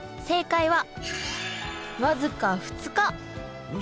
正解は僅か２日。